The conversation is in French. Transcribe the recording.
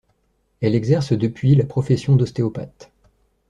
Elle exerce depuis la profession d'ostéopathe.